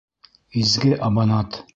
Изге аманат